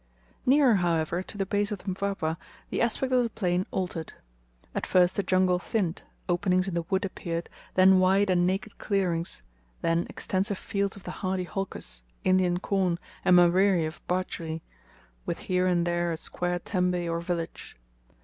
Nearer, however, to the base of the Mpwapwa the aspect of the plain altered. At first the jungle thinned, openings in the wood appeared, then wide and naked clearings, then extensive fields of the hardy holcus, Indian corn, and maweri or bajri, with here and there a square tembe or village.